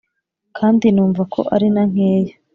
kandi numva ko ari na nkeya